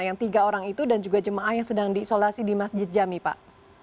yang tiga orang itu dan juga jemaah yang sedang diisolasi di masjid jami pak